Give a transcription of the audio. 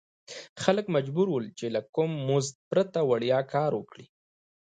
خلک مجبور ول چې له کوم مزد پرته وړیا کار وکړي.